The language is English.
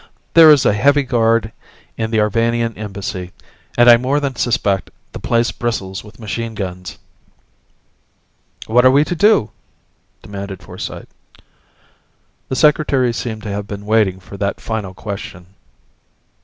There is a heavy guard in the Arvanian Embassy; and I more than suspect the place bristles with machine guns." "What are we to do?" demanded Forsyte. The Secretary seemed to have been waiting for that final question.